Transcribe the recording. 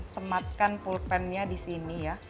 sematkan pulpennya disini ya